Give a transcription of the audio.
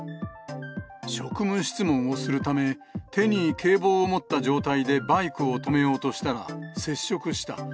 職務質問をするため、手に警棒を持った状態でバイクを止めようとしたら接触した。